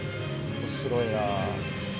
面白いな。